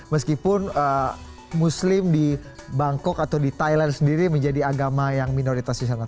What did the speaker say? meskipun muslim di bangkok atau di thailand sendiri menjadi agama yang minoritasnya sangat